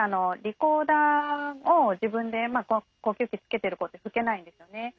リコーダーを自分で呼吸器つけてる子って吹けないんですよね。